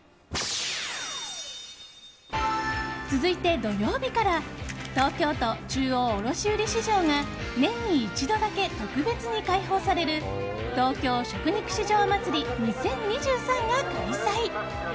続いて、土曜日から東京都中央卸売市場が年に一度だけ特別に開放される東京食肉市場まつり２０２３が開催！